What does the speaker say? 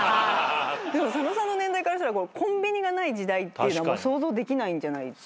でも佐野さんの年代からしたらコンビニがない時代って想像できないんじゃないですか？